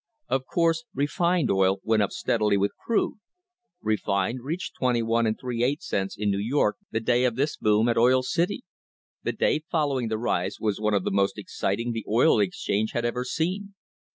Of course refined oil went up steadily with crude. Refined reached 21^ cents in New York the day of this boom at Oil City. The day following the rise was one of the most exciting the oil exchange had ever seen.